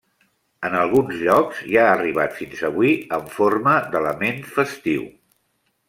En alguns llocs, hi ha arribat fins avui en forma d’element festiu.